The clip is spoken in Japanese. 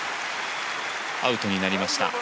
アウトになりました。